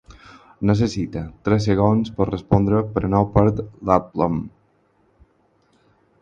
Necessita tres segons per respondre, però no perd l'aplom.